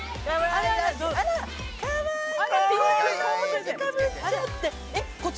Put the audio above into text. あらっ、かわいい。